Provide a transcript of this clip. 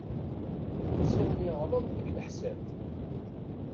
Ziɣen yeɣleḍ deg leḥsab.